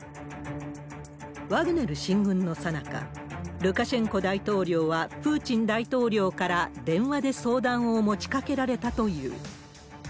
ワグネル進軍のさなか、ルカシェンコ大統領は、プーチン大統領から電話で相談を持ちかけられたという。